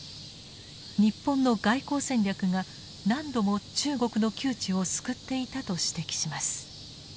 日本の外交戦略が何度も中国の窮地を救っていたと指摘します。